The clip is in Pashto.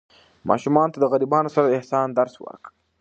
ماشومانو ته د غریبانو سره د احسان درس ورکړئ.